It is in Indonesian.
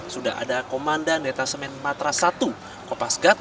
sudah ada komandan detesemen matras satu kopas gat